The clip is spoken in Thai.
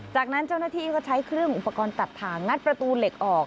จากนั้นเจ้าหน้าที่ก็ใช้เครื่องอุปกรณ์ตัดถ่างงัดประตูเหล็กออก